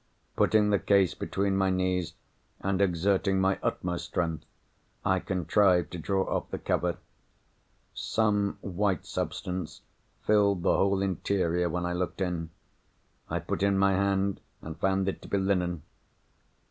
Putting the case between my knees and exerting my utmost strength, I contrived to draw off the cover. Some white substance filled the whole interior when I looked in. I put in my hand, and found it to be linen.